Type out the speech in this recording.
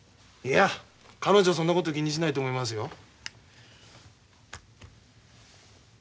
いや彼女はそんなこと気にしないと思いますよ。